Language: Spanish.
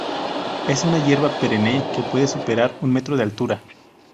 Es una hierba perenne que puede superar un metro de altura.